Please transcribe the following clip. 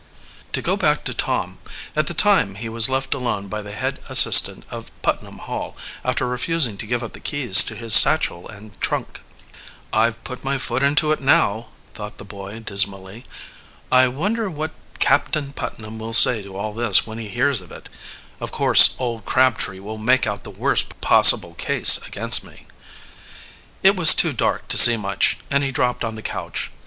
To go back to Tom, at the time he was left alone by the head assistant of Putnam Hall, after refusing to give up the keys to his satchel and trunk. "I've put my foot into it now," thought the boy dismally. "I wonder what Captain Putnam will say to all this when he hears of it? Of course old Crabtree will make out the worst possible case against me." It was too dark to see much, and he dropped on the couch.